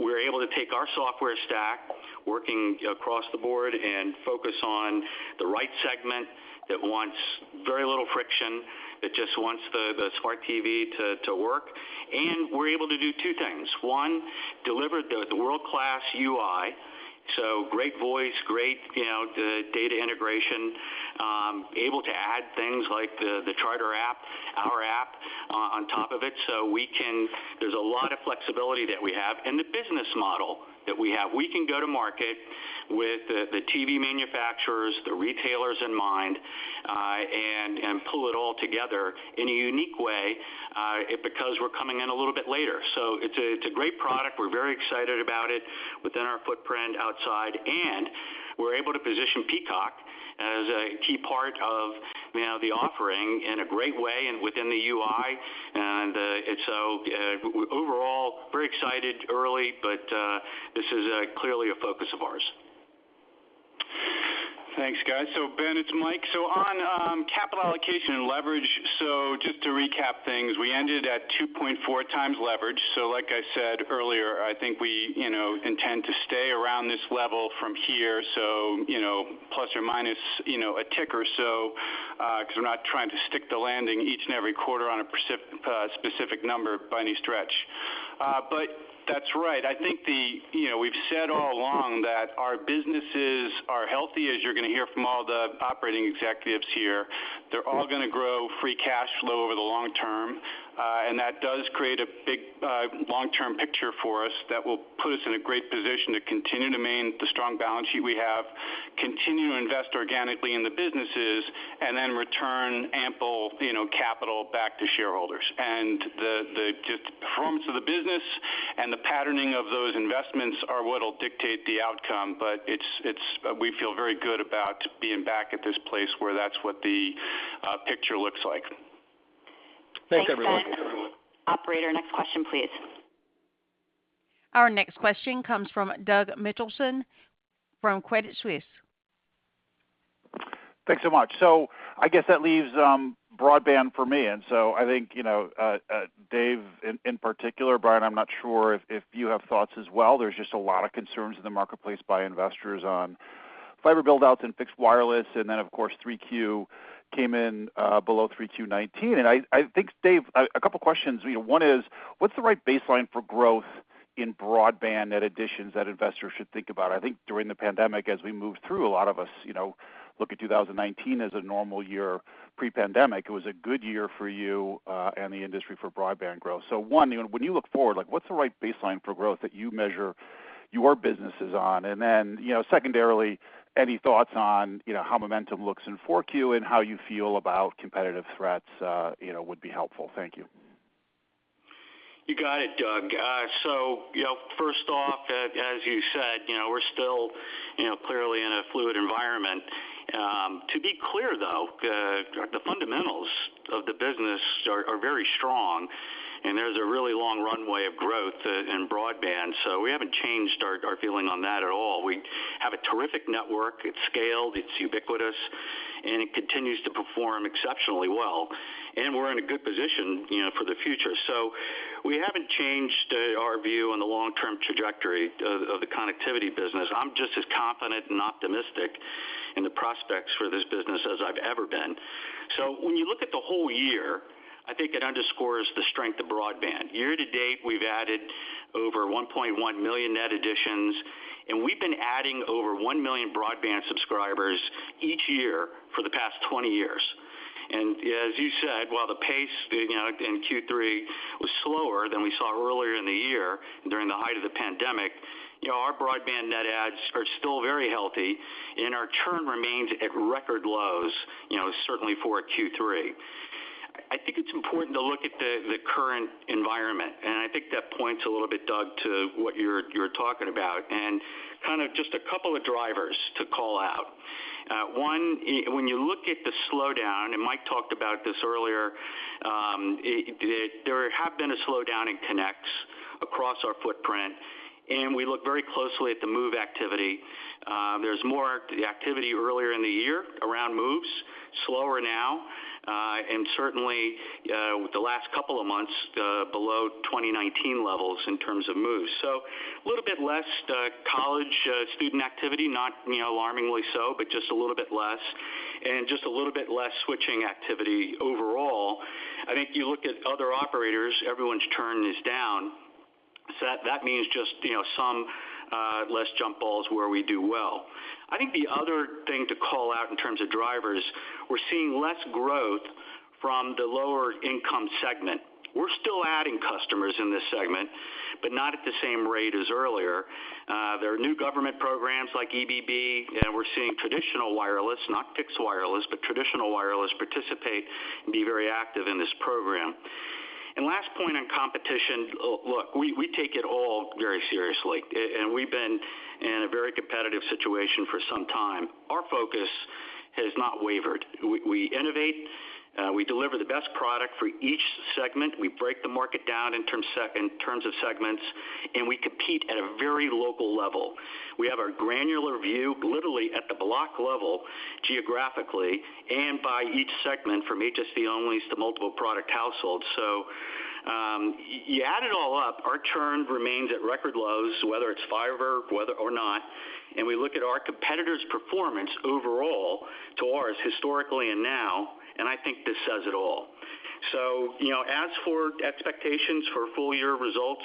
[SPEAKER 7] We're able to take our software stack working across the board and focus on the right segment that wants very little friction, that just wants the smart TV to work. We're able to do two things. One, deliver the world-class UI, so great voice, great, you know, the data integration, able to add things like the Charter app, our app on top of it. We can. There's a lot of flexibility that we have. The business model that we have, we can go to market with the TV manufacturers, the retailers in mind, and pull it all together in a unique way, because we're coming in a little bit later. It's a great product. We're very excited about it within our footprint outside, and we're able to position Peacock as a key part of, you know, the offering in a great way and within the UI. Overall, very excited early, this is clearly a focus of ours.
[SPEAKER 4] Thanks, guys. Ben, it's Mike. On capital allocation and leverage, just to recap things, we ended at 2.4x leverage. Like I said earlier, I think we, you know, intend to stay around this level from here. You know, plus or minus, you know, a tick or so, because we're not trying to stick the landing each and every quarter on a specific number by any stretch. But that's right. I think, you know, we've said all along that our businesses are healthy, as you're gonna hear from all the operating executives here. They're all gonna grow free cash flow over the long term. That does create a big, long-term picture for us that will put us in a great position to continue to maintain the strong balance sheet we have, continue to invest organically in the businesses, and then return ample, you know, capital back to shareholders. The robust performance of the business and the patterning of those investments are what'll dictate the outcome. We feel very good about being back at this place where that's what the picture looks like.
[SPEAKER 7] Thanks, everyone.
[SPEAKER 2] Operator, next question, please.
[SPEAKER 1] Our next question comes from Doug Mitchelson from Credit Suisse.
[SPEAKER 8] Thanks so much. I guess that leaves broadband for me. I think, you know, Dave in particular, Brian, I'm not sure if you have thoughts as well. There's just a lot of concerns in the marketplace by investors on fiber build-outs and fixed wireless. Of course, Q3 came in below Q3 2019. I think, Dave, a couple questions. You know, one is, what's the right baseline for growth in broadband net additions that investors should think about? I think during the pandemic, as we moved through, a lot of us, you know, look at 2019 as a normal year pre-pandemic. It was a good year for you and the industry for broadband growth. One, you know, when you look forward, like what's the right baseline for growth that you measure? Your business is on, and then, you know, secondarily, any thoughts on, you know, how momentum looks in 4Q and how you feel about competitive threats, you know, would be helpful. Thank you.
[SPEAKER 7] You got it, Doug. You know, first off, as you said, you know, we're still, you know, clearly in a fluid environment. To be clear, though, the fundamentals of the business are very strong, and there's a really long runway of growth in broadband. We haven't changed our feeling on that at all. We have a terrific network. It's scaled, it's ubiquitous, and it continues to perform exceptionally well. We're in a good position, you know, for the future. We haven't changed our view on the long term trajectory of the connectivity business. I'm just as confident and optimistic in the prospects for this business as I've ever been. When you look at the whole year, I think it underscores the strength of broadband. Year to date, we've added over 1.1 million net additions, and we've been adding over 1 million broadband subscribers each year for the past 20 years. As you said, while the pace, you know, in Q3 was slower than we saw earlier in the year during the height of the pandemic, you know, our broadband net adds are still very healthy, and our churn remains at record lows, you know, certainly for a Q3. I think it's important to look at the current environment, and I think that points a little bit, Doug, to what you're talking about, and kind of just a couple of drivers to call out. One, when you look at the slowdown, and Mike talked about this earlier, there have been a slowdown in connects across our footprint, and we look very closely at the move activity. There's more activity earlier in the year around moves, slower now, and certainly, the last couple of months, below 2019 levels in terms of moves. A little bit less college student activity, not, you know, alarmingly so, but just a little bit less, and just a little bit less switching activity overall. I think you look at other operators, everyone's churn is down. That means just, you know, some less jump balls where we do well. I think the other thing to call out in terms of drivers, we're seeing less growth from the lower income segment. We're still adding customers in this segment, but not at the same rate as earlier. There are new government programs like EBB, and we're seeing traditional wireless, not Pix Wireless, but traditional wireless participate and be very active in this program. Last point on competition. Look, we take it all very seriously, and we've been in a very competitive situation for some time. Our focus has not wavered. We innovate, we deliver the best product for each segment. We break the market down in terms of segments, and we compete at a very local level. We have our granular view, literally at the block level, geographically and by each segment, from HSD-onlys to multiple product households. You add it all up, our churn remains at record lows, whether it's fiber, whether or not, and we look at our competitors' performance overall to ours historically and now, and I think this says it all. You know, as for expectations for full year results,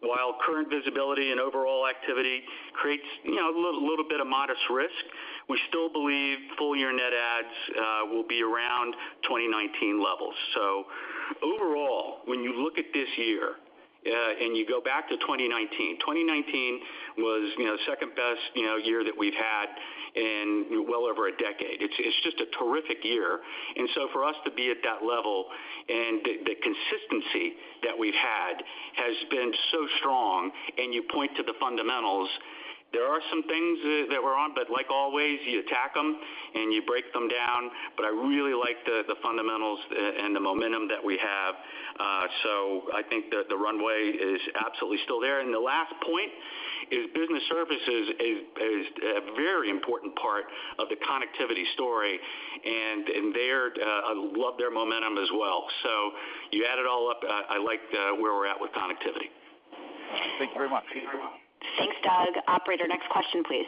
[SPEAKER 7] while current visibility and overall activity creates, you know, a little bit of modest risk, we still believe full year net adds will be around 2019 levels. Overall, when you look at this year and you go back to 2019. 2019 was, you know, second best, you know, year that we've had in well over a decade. It's just a terrific year. For us to be at that level and the consistency that we've had has been so strong, and you point to the fundamentals, there are some things that we're on, but like always, you attack them and you break them down. I really like the fundamentals and the momentum that we have. I think that the runway is absolutely still there. The last point is Business Services is a very important part of the connectivity story. They're, I love their momentum as well. You add it all up. I like where we're at with connectivity.
[SPEAKER 2] Thank you very much. Thanks, Doug. Operator, next question, please.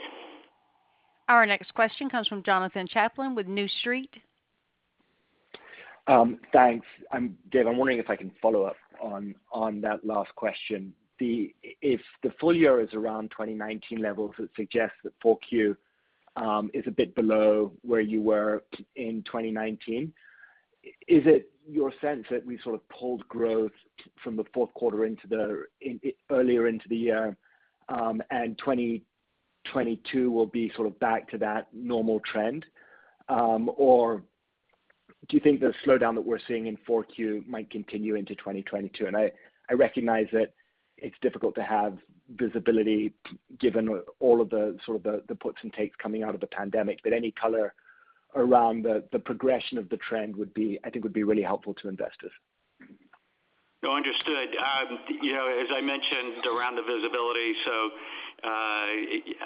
[SPEAKER 1] Our next question comes from Jonathan Chaplin with New Street.
[SPEAKER 9] Thanks. I'm Dave, I'm wondering if I can follow up on that last question. If the full year is around 2019 levels, it suggests that 4Q is a bit below where you were in 2019. Is it your sense that we sort of pulled growth from the fourth quarter into earlier into the year, and 2022 will be sort of back to that normal trend? Or do you think the slowdown that we're seeing in 4Q might continue into 2022? I recognize that it's difficult to have visibility given all of the puts and takes coming out of the pandemic, but any color around the progression of the trend would be, I think, really helpful to investors.
[SPEAKER 7] No, understood. You know, as I mentioned around the visibility,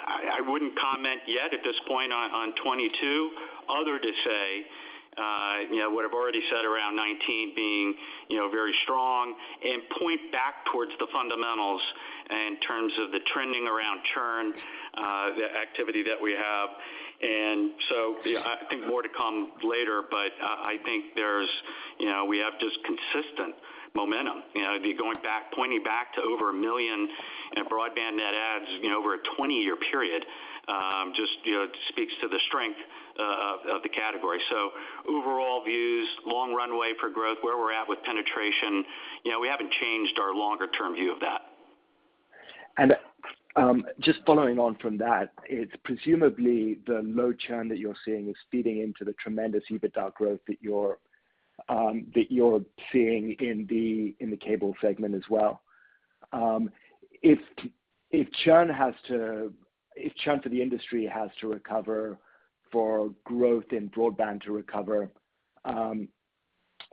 [SPEAKER 7] I wouldn't comment yet at this point on 2022, other than to say, you know, what I've already said around 2019 being, you know, very strong and pointing back towards the fundamentals in terms of the trending around churn, the activity that we have. I think more to come later, but I think there's, you know, we have just consistent momentum. You know, going back, pointing back to over a million in broadband net adds over a 20-year period, just, you know, speaks to the strength of the category. Overall views, long runway for growth, where we're at with penetration, you know, we haven't changed our longer term view of that.
[SPEAKER 9] Just following on from that, it's presumably the low churn that you're seeing is feeding into the tremendous EBITDA growth that you're seeing in the cable segment as well. If churn for the industry has to recover for growth in broadband to recover,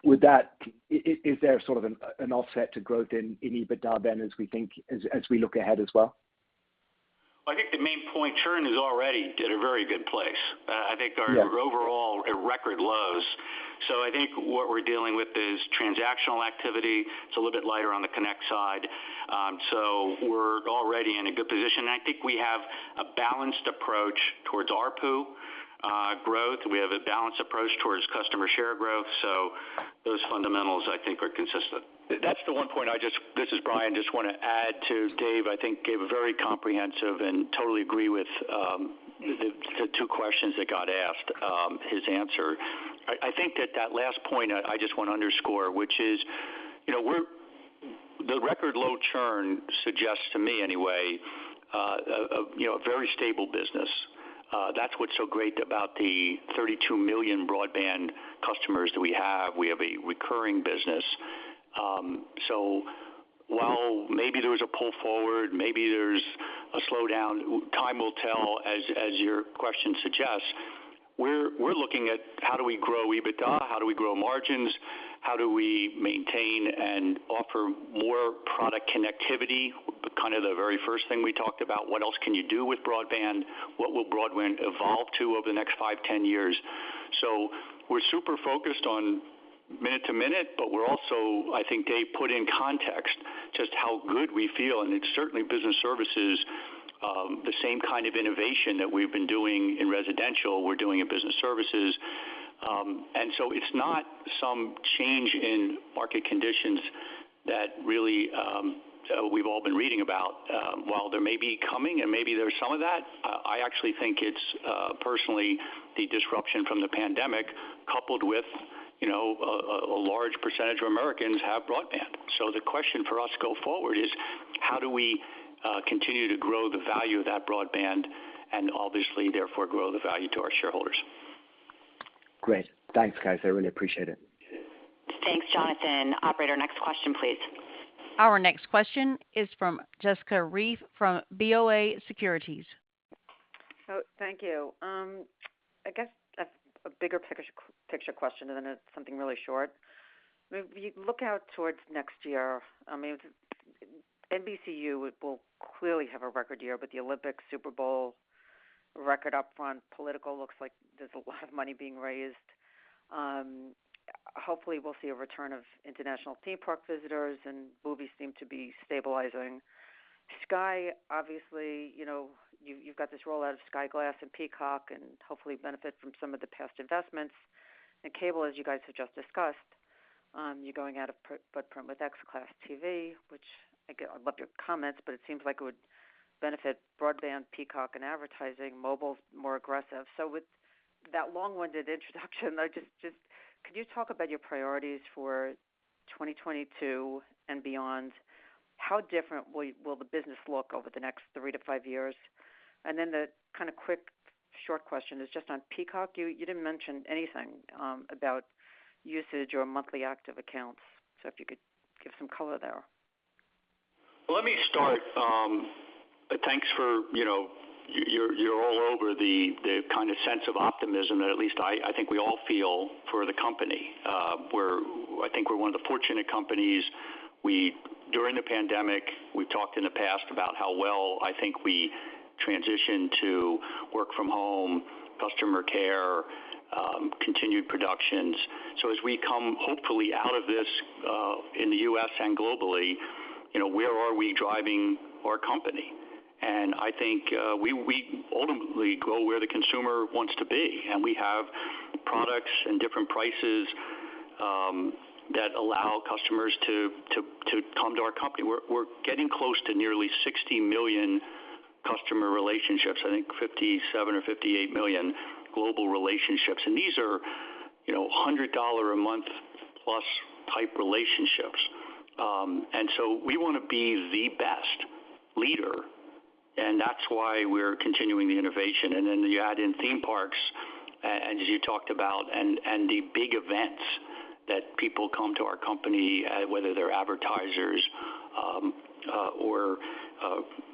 [SPEAKER 9] is there sort of an offset to growth in EBITDA then as we look ahead as well?
[SPEAKER 7] I think the main point, churn is already at a very good place. I think our overall are record lows. I think what we're dealing with is transactional activity. It's a little bit lighter on the connect side. We're already in a good position. I think we have a balanced approach towards ARPU growth. We have a balanced approach towards customer share growth. Those fundamentals I think are consistent.
[SPEAKER 3] This is Brian, just wanna add to Dave. I think Dave was very comprehensive and totally agree with his answer to the two questions that got asked. I think that last point. I just want to underscore which is, you know, the record low churn suggests to me anyway, you know, a very stable business. That's what's so great about the 32 million broadband customers that we have. We have a recurring business. While maybe there was a pull forward, maybe there's a slowdown, time will tell as your question suggests. We're looking at how do we grow EBITDA? How do we grow margins? How do we maintain and offer more product connectivity? Kind of the very first thing we talked about, what else can you do with broadband? What will broadband evolve to over the next five, 10 years? We're super focused on minute to minute, but we're also. I think Dave put in context just how good we feel, and it's certainly Business Services, the same kind of innovation that we've been doing in residential, we're doing in Business Services. It's not some change in market conditions that really, we've all been reading about. While there may be coming and maybe there's some of that, I actually think it's personally the disruption from the pandemic coupled with, you know, a large percentage of Americans have broadband. The question for us to go forward is how do we continue to grow the value of that broadband and obviously therefore grow the value to our shareholders?
[SPEAKER 9] Great. Thanks, guys. I really appreciate it.
[SPEAKER 2] Thanks, Jonathan. Operator, next question, please.
[SPEAKER 1] Our next question is from Jessica Reif from BofA Securities.
[SPEAKER 10] Thank you. I guess a bigger picture question and then something really short. When you look out towards next year, I mean, NBCU will clearly have a record year, but the Olympics, Super Bowl, record upfront, political looks like there's a lot of money being raised. Hopefully we'll see a return of international theme park visitors and movies seem to be stabilizing. Sky, obviously, you know, you've got this roll out of Sky Glass and Peacock and hopefully benefit from some of the past investments. Cable, as you guys have just discussed, you're going out of your footprint with XClass TV, which I'd love your comments, but it seems like it would benefit broadband, Peacock and advertising, mobile more aggressive. With that long-winded introduction, I just could you talk about your priorities for 2022 and beyond? How different will the business look over the next three to five years? Then the kind of quick short question is just on Peacock. You didn't mention anything about usage or monthly active accounts. If you could give some color there.
[SPEAKER 3] Let me start. Thanks for, you know, your overall sense of optimism that at least I think we all feel for the company. I think we're one of the fortunate companies. During the pandemic, we've talked in the past about how well I think we transitioned to work from home, customer care, continued productions. As we come hopefully out of this in the U.S. and globally, you know, where are we driving our company? I think we ultimately go where the consumer wants to be, and we have products and different prices that allow customers to come to our company. We're getting close to nearly 60 million customer relationships. I think 57 or 58 million global relationships. These are, you know, $100 a month plus type relationships. We want to be the best leader, and that's why we're continuing the innovation. You add in theme parks, and as you talked about, and the big events that people come to our company, whether they're advertisers, or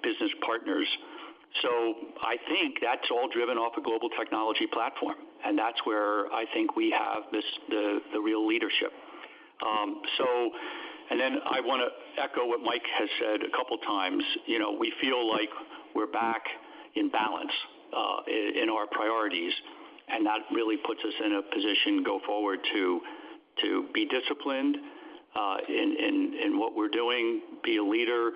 [SPEAKER 3] business partners. I think that's all driven off a global technology platform. That's where I think we have the real leadership. I wanna echo what Mike has said a couple times. You know, we feel like we're back in balance in our priorities, and that really puts us in a position to go forward to be disciplined in what we're doing, be a leader,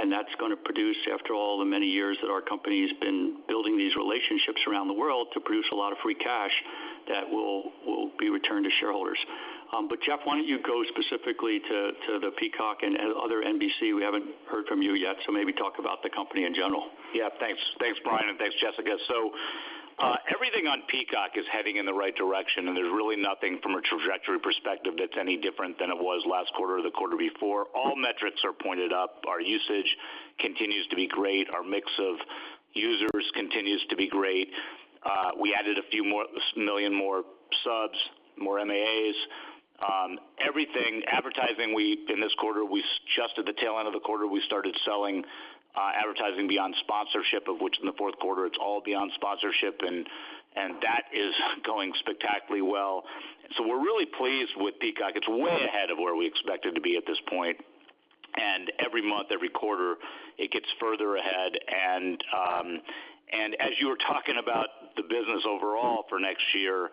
[SPEAKER 3] and that's gonna produce after all the many years that our company has been building these relationships around the world to produce a lot of free cash that will be returned to shareholders. Jeff, why don't you go specifically to the Peacock and other NBC? We haven't heard from you yet, so maybe talk about the company in general.
[SPEAKER 11] Yeah, thanks. Thanks, Brian, and thanks, Jessica. Everything on Peacock is heading in the right direction, and there's really nothing from a trajectory perspective that's any different than it was last quarter or the quarter before. All metrics are pointed up. Our usage continues to be great. Our mix of users continues to be great. We added a few more million more subs, more MAAs. Everything. Advertising, in this quarter, we just at the tail end of the quarter, we started selling advertising beyond sponsorship, of which in the fourth quarter, it's all beyond sponsorship, and that is going spectacularly well. We're really pleased with Peacock. It's way ahead of where we expected to be at this point. Every month, every quarter, it gets further ahead. As you were talking about the business overall for next year,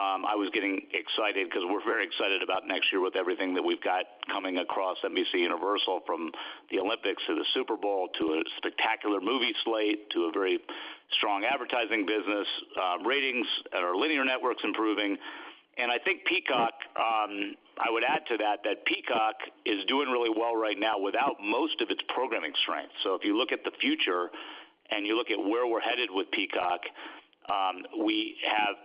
[SPEAKER 11] I was getting excited because we're very excited about next year with everything that we've got coming across NBCUniversal, from the Olympics to the Super Bowl to a spectacular movie slate to a very strong advertising business. Ratings, our linear network's improving. I think Peacock, I would add to that Peacock is doing really well right now without most of its programming strength. If you look at the future and you look at where we're headed with Peacock,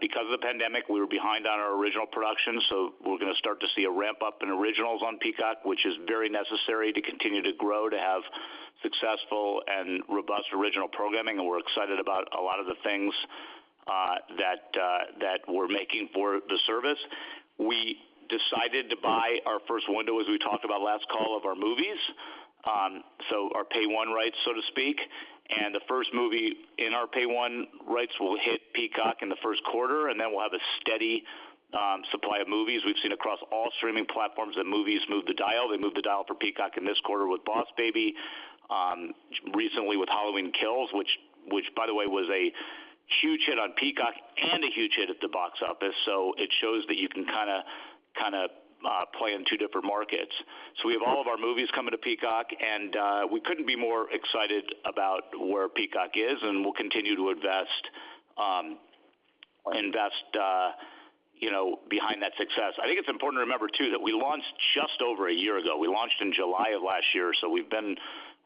[SPEAKER 11] because of the pandemic, we were behind on our original production. We're gonna start to see a ramp-up in originals on Peacock, which is very necessary to continue to grow, to have successful and robust original programming.
[SPEAKER 7] We're excited about a lot of the things that we're making for the service. We decided to buy our first window, as we talked about last call, of our movies, so our pay one rights, so to speak. The first movie in our pay one rights will hit Peacock in the first quarter, and then we'll have a steady supply of movies. We've seen across all streaming platforms that movies move the dial. They moved the dial for Peacock in this quarter with Boss Baby, recently with Halloween Kills, which, by the way, was a huge hit on Peacock and a huge hit at the box office. It shows that you can kind of play in two different markets. We have all of our movies coming to Peacock, and we couldn't be more excited about where Peacock is, and we'll continue to invest, you know, behind that success. I think it's important to remember, too, that we launched just over a year ago. We launched in July of last year, so we've been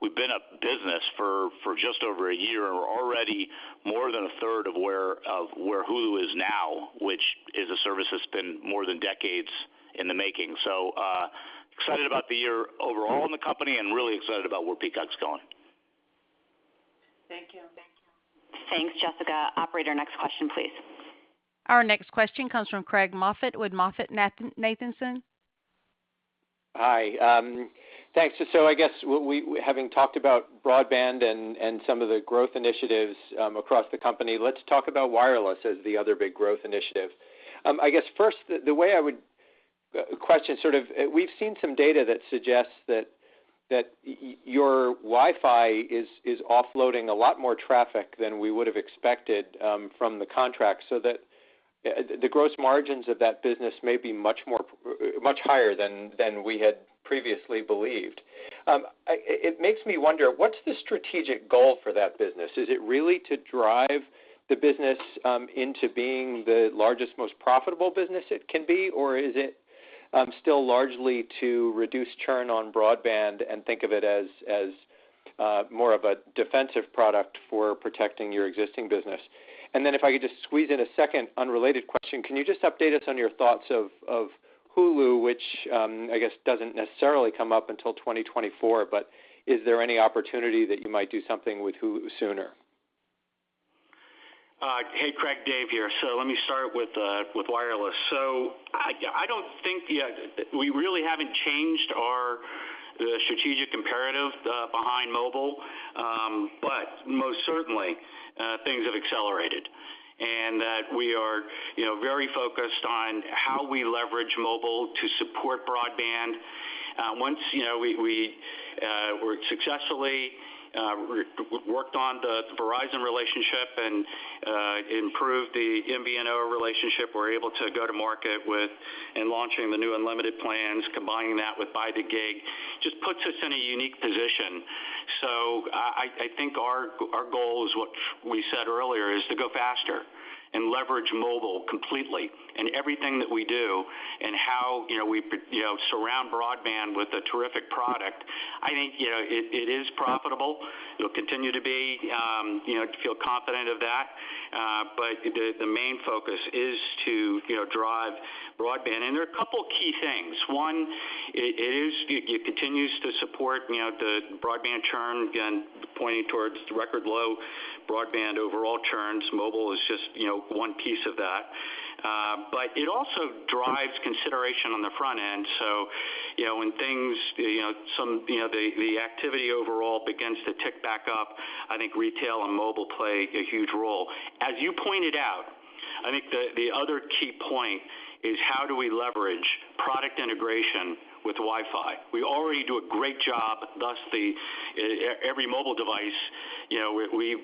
[SPEAKER 7] a business for just over a year, and we're already more than a third of where Hulu is now, which is a service that's been more than a decade in the making. Excited about the year overall in the company and really excited about where Peacock's going.
[SPEAKER 10] Thank you.
[SPEAKER 2] Thanks, Jessica. Operator, next question, please.
[SPEAKER 1] Our next question comes from Craig Moffett with MoffettNathanson.
[SPEAKER 12] Hi. Thanks. I guess having talked about broadband and some of the growth initiatives across the company, let's talk about wireless as the other big growth initiative. I guess first, the way I would question. We've seen some data that suggests that your Wi-Fi is offloading a lot more traffic than we would have expected from the contract, so that the gross margins of that business may be much higher than we had previously believed. It makes me wonder, what's the strategic goal for that business? Is it really to drive the business into being the largest, most profitable business it can be? Or is it still largely to reduce churn on broadband and think of it as more of a defensive product for protecting your existing business? If I could just squeeze in a second unrelated question, can you just update us on your thoughts of Hulu, which, I guess doesn't necessarily come up until 2024, but is there any opportunity that you might do something with Hulu sooner?
[SPEAKER 7] Hey, Craig, Dave here. Let me start with wireless. I don't think we really haven't changed our strategic imperative behind mobile. Most certainly, things have accelerated, and we are, you know, very focused on how we leverage mobile to support broadband. Once, you know, we successfully worked on the Verizon relationship and improved the MVNO relationship, we're able to go to market with and launching the new unlimited plans, combining that with by the gig just puts us in a unique position. I think our goal is what we said earlier is to go faster and leverage mobile completely in everything that we do and how, you know, we surround broadband with a terrific product. I think, you know, it is profitable. It'll continue to be, you know, feel confident of that. But the main focus is to, you know, drive broadband. There are a couple key things. One, it continues to support, you know, the broadband churn, again, pointing towards the record low broadband overall churns. Mobile is just, you know, one piece of that. But it also drives consideration on the front end. You know, when things, the activity overall begins to tick back up, I think retail and mobile play a huge role. As you pointed out, I think the other key point is how do we leverage product integration with Wi-Fi? We already do a great job. Every mobile device, you know, we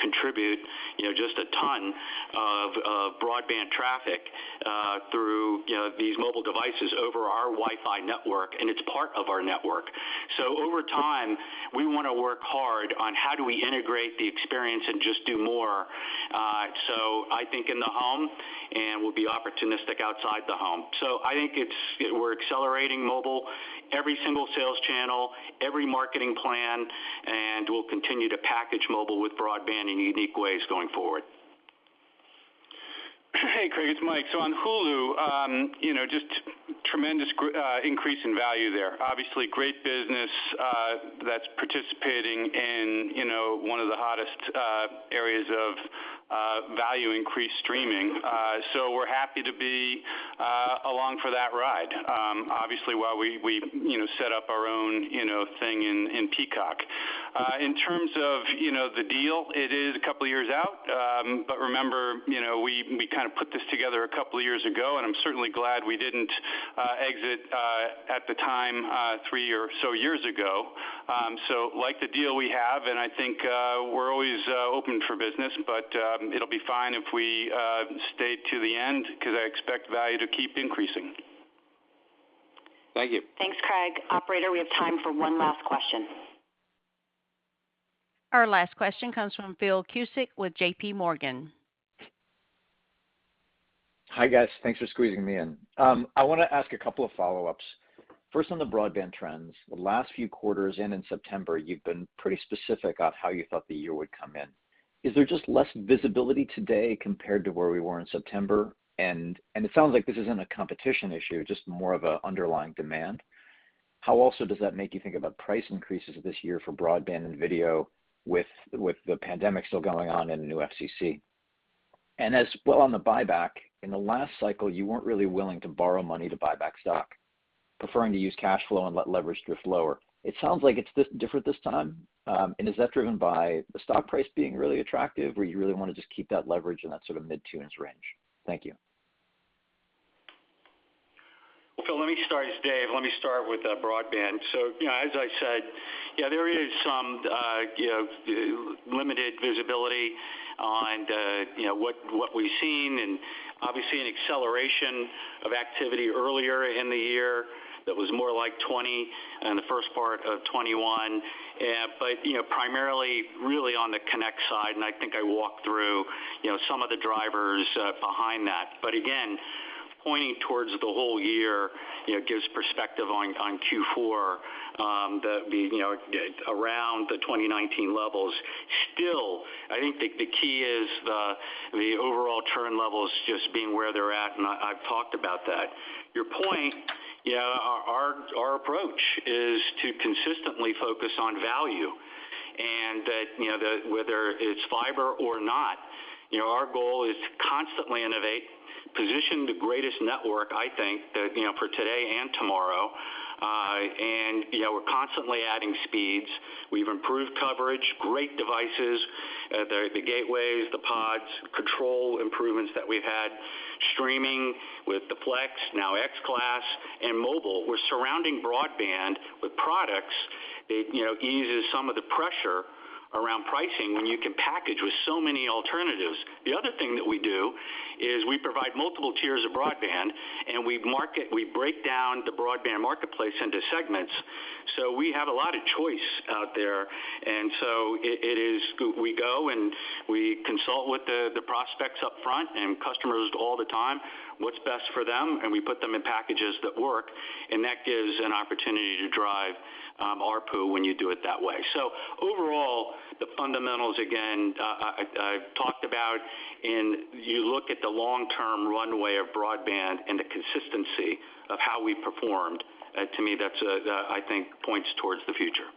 [SPEAKER 7] contribute, you know, just a ton of broadband traffic through, you know, these mobile devices over our Wi-Fi network, and it's part of our network. Over time, we want to work hard on how do we integrate the experience and just do more, so I think in the home, and we'll be opportunistic outside the home. I think we're accelerating mobile, every single sales channel, every marketing plan, and we'll continue to package mobile with broadband in unique ways going forward.
[SPEAKER 4] Hey, Craig, it's Mike. On Hulu, you know, just tremendous increase in value there. Obviously great business, that's participating in, you know, one of the hottest areas of value increasing streaming. We're happy to be along for that ride. Obviously, while we you know set up our own you know thing in Peacock. In terms of you know the deal, it is a couple years out. Remember you know we kind of put this together a couple of years ago, and I'm certainly glad we didn't exit at the time three or so years ago. Like the deal we have, and I think we're always open for business, but it'll be fine if we stay to the end 'cause I expect value to keep increasing.
[SPEAKER 13] Thank you.
[SPEAKER 2] Thanks, Craig. Operator, we have time for one last question.
[SPEAKER 1] Our last question comes from Phil Cusick with JPMorgan.
[SPEAKER 14] Hi, guys. Thanks for squeezing me in. I wanna ask a couple of follow-ups. First, on the broadband trends, the last few quarters and in September, you've been pretty specific on how you thought the year would come in. Is there just less visibility today compared to where we were in September? It sounds like this isn't a competition issue, just more of an underlying demand. How also does that make you think about price increases this year for broadband and video with the pandemic still going on and the new FCC? On the buyback, in the last cycle, you weren't really willing to borrow money to buy back stock, preferring to use cash flow and let leverage drift lower. It sounds like it's different this time. Is that driven by the stock price being really attractive, or you really wanna just keep that leverage in that sort of mid-twos range? Thank you.
[SPEAKER 7] Well, Phil, let me start. It's Dave. Let me start with broadband. You know, as I said, there is some you know, limited visibility on the you know, what we've seen and obviously an acceleration of activity earlier in the year that was more like 2020 and the first part of 2021. You know, primarily really on the connect side, and I think I walked through you know, some of the drivers behind that. Again, pointing towards the whole year you know, gives perspective on Q4 the you know, around the 2019 levels. Still, I think the key is the overall churn levels just being where they're at, and I've talked about that. Your point, yeah, our approach is to consistently focus on value. that, you know, the whether it's fiber or not, you know, our goal is to constantly innovate, position the greatest network, I think, that, you know, for today and tomorrow. You know, we're constantly adding speeds. We've improved coverage, great devices, the gateways, the pods, control improvements that we've had, streaming with the Flex, now X Class and mobile. We're surrounding broadband with products that, you know, eases some of the pressure around pricing when you can package with so many alternatives. The other thing that we do is we provide multiple tiers of broadband, and we break down the broadband marketplace into segments, so we have a lot of choice out there. It is. We go and we consult with the prospects up front and customers all the time, what's best for them, and we put them in packages that work, and that gives an opportunity to drive ARPU when you do it that way. Overall, the fundamentals again, I've talked about, and you look at the long-term runway of broadband and the consistency of how we performed, to me, that's that I think points towards the future.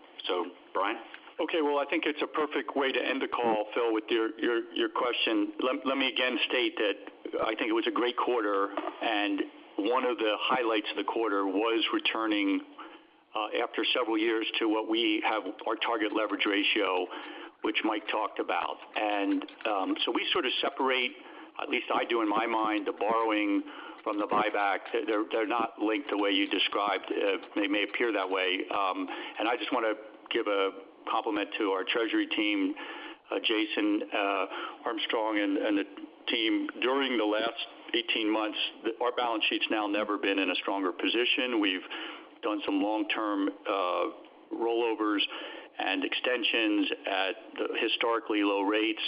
[SPEAKER 7] Brian?
[SPEAKER 3] Okay, well, I think it's a perfect way to end the call, Phil, with your question. Let me again state that I think it was a great quarter, and one of the highlights of the quarter was returning after several years to what we have our target leverage ratio, which Mike talked about. We sort of separate, at least I do in my mind, the borrowing from the buyback. They're not linked the way you described. They may appear that way. I just wanna give a compliment to our treasury team, Jason Armstrong and the team. During the last 18 months, our balance sheet's now never been in a stronger position. We've done some long-term rollovers and extensions at historically low rates.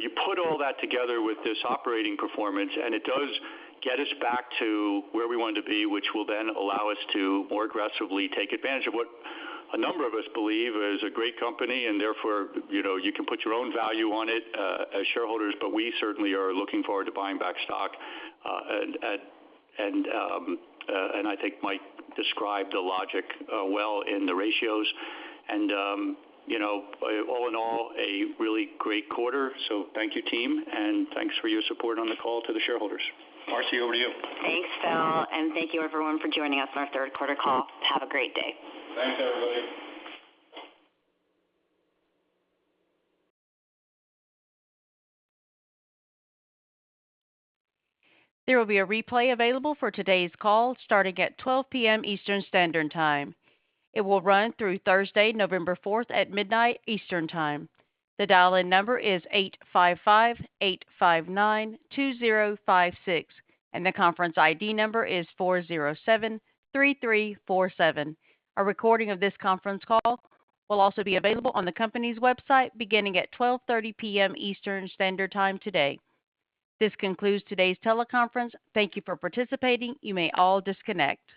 [SPEAKER 3] You put all that together with this operating performance, and it does get us back to where we wanted to be, which will then allow us to more aggressively take advantage of what a number of us believe is a great company, and therefore, you know, you can put your own value on it, as shareholders. We certainly are looking forward to buying back stock. I think Mike described the logic well in the ratios. You know, all in all, a really great quarter. Thank you, team, and thanks for your support on the call to the shareholders. Marci, over to you.
[SPEAKER 2] Thanks, Phil, and thank you everyone for joining us on our third quarter call. Have a great day.
[SPEAKER 3] Thanks, everybody.
[SPEAKER 1] There will be a replay available for today's call starting at 12:00 P.M. Eastern Standard Time. It will run through Thursday, November 4, at midnight Eastern Time. The dial-in number is 855-859-2056, and the conference ID number is 407-3347. A recording of this conference call will also be available on the company's website beginning at 12:30 P.M. Eastern Standard Time today. This concludes today's teleconference. Thank you for participating. You may all disconnect.